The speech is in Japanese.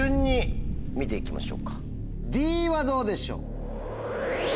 Ｄはどうでしょう？